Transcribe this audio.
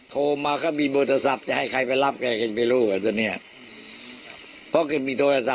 บุฤษฐ์ไม่รู้สิ่งศักดิ์สินิรับและพากันไปนิดนี่แหละ